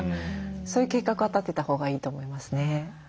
そういう計画は立てたほうがいいと思いますね。